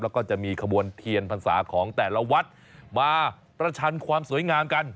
แล้วก็จะมีขบวนเทียนพรรษาของแต่ละวัดมาประชันความสวยงามกัน